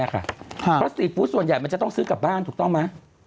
เพราะซีฟู้ดส่วนใหญ่มันจะต้องซื้อกลับบ้านถูกต้องไหม